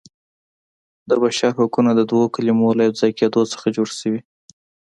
د بشر حقونه د دوو کلمو له یو ځای کیدو څخه جوړ شوي.